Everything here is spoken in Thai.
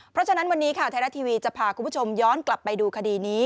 เพราะฉะนั้นวันนี้ข่าวไทยรัฐทีวีจะพาคุณผู้ชมย้อนกลับไปดูคดีนี้